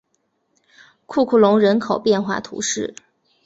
库库龙人口变化图示